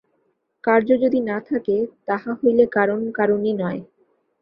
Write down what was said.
কার্য যদি না থাকে, তাহা হইলে কারণ কারণই নয়।